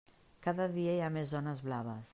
Cada dia hi ha més zones blaves.